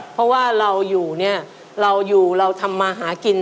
เพราะว่าเราอยู่เนี่ยเราอยู่เราทำมาหากิน